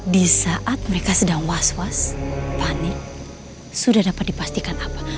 di saat mereka sedang was was panik sudah dapat dipastikan apa